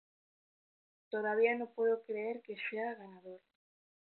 Todavía no puedo creer que sea ganador".